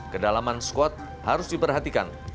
kedalaman squad harus diperhatikan